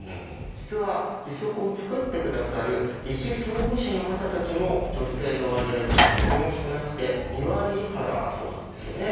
実は義足をつくって下さる義肢装具士の方たちも女性の割合というのはとても少なくて２割以下だそうなんですよね。